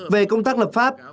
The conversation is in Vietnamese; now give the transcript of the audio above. về công tác lập pháp